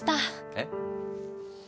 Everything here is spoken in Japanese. えっ？